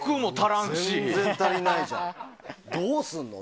どうするの？